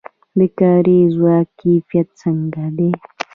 د کاري ځواک کیفیت څنګه دی؟